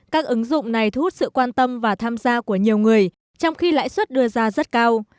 các ứng dụng này thu hút sự quan tâm và tham gia của nhiều người trong khi lãi suất đưa ra rất cao